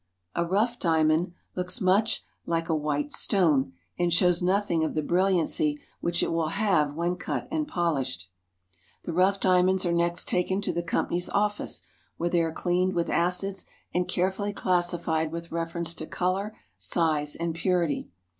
A rough diamond looks much KIMBERLEY AND THE DIAMOND MINES 30IJ I like a white stone, and shows nothing of the brilliancy which it will have when cut and polished. The rough diamonds are next takea to the company's office, where they are cleaned with acids and carefully classified with reference to color, size, and purity.